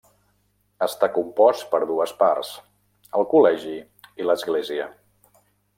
Està compost per dues parts: el col·legi i l'església.